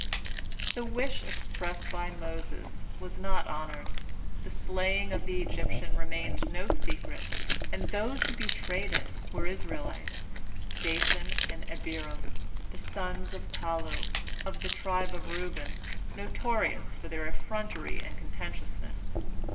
The wish expressed by Moses was not honored. The slaying of the Egyptian remained no secret, and those who betrayed it were Israelites, Dathan and Abiram, the sons of Pallu, of the tribe of Reuben, notorious for their effrontery and contentiousness.